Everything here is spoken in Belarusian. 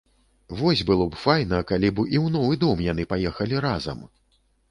Вось было б файна, калі б і ў новы дом яны паехалі разам!